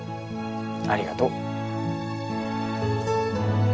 ありがとう。